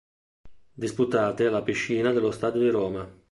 Disputate alla piscina dello Stadio di Roma.